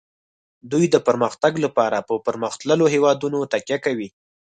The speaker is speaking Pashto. دوی د پرمختګ لپاره په پرمختللو هیوادونو تکیه کوي